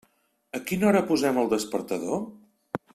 A quina hora posem el despertador?